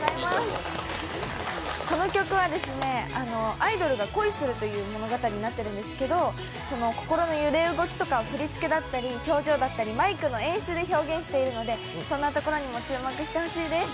この曲はアイドルが恋するという物語になっているんですけど心の揺れ動きとかを振り付けだったり表情だったり、マイクの演出で表現しているのでそんなところにも注目してほしいです。